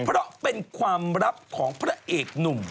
เพราะเป็นความลับของพระเอกหนุ่ม